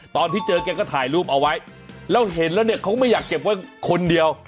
ตอนที่เจอแกก็ถ่ายรูปเอาไว้แล้วเห็นแล้วเนี่ยเขาก็ไม่อยากเก็บไว้คนเดียว